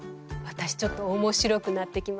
私ちょっと面白くなってきました。